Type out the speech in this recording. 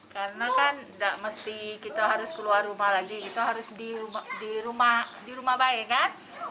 karena kan tidak mesti kita harus keluar rumah lagi kita harus di rumah baik kan